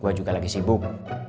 gue juga lagi sibuk